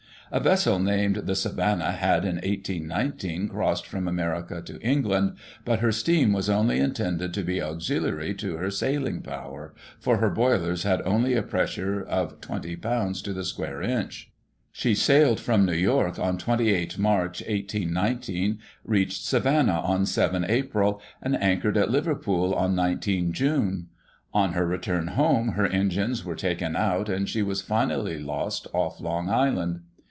A vessel named the Savannah had in 18 19 crossed from America to England, but her steam was only intended to be auxiliary to her sailing power, for her boilers had only a pressure of 20 lbs. to the square inch. She sailed from New York on 28 Mar., 1819, reached Savannah on 7 Ap., suid anchored at Liverpool on 19 June ; on her return home her engines were taken out, cind she was finally lost off Long Island.